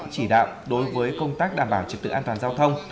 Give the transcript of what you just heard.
chỉ đạo đối với công tác đảm bảo trật tự an toàn giao thông